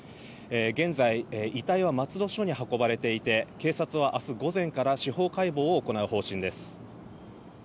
現在、遺体は松戸署に運ばれていて警察は明日午前から司法解剖を行う方針です。